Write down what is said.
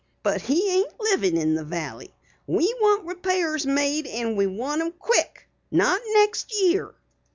"But he ain't livin' in the Valley. We want repairs made and we want 'em quick not next year."